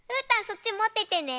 そっちもっててね。